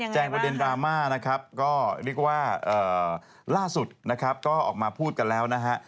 ประเด็นดราม่านะครับก็เรียกว่าล่าสุดนะครับก็ออกมาพูดกันแล้วนะฮะ